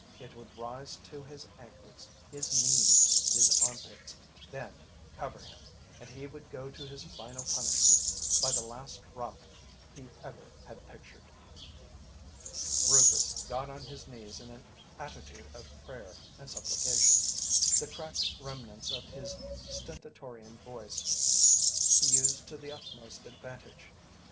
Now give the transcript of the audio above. It would rise to his ankles, his knees, his armpits, then cover him, and he would go to his final punishment by the last route he ever had pictured! Rufus got on his knees in an attitude of prayer and supplication. The cracked remnants of his stentorian voice he used to the utmost advantage.